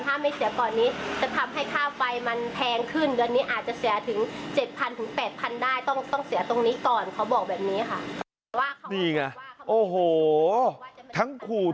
ถ้าไม่เสียก่อนนี้จะทำให้ค่าไฟมันแพงขึ้น